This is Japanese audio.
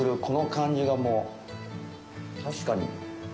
この感じがもう確かに。